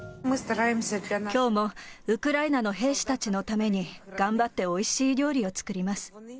きょうも、ウクライナの兵士たちのために、頑張っておいしい料理を作ります。